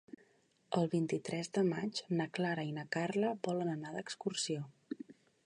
El vint-i-tres de maig na Clara i na Carla volen anar d'excursió.